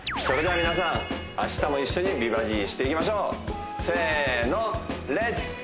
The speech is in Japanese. それでは皆さん明日も一緒に美バディしていきましょうせのレッツ！